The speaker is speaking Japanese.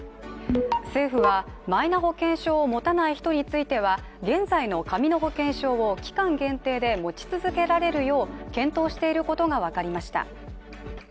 政府はマイナ保険証を持たない人については現在の紙の保険証を、期間限定で持ち続けられるよう検討していることが分かりました。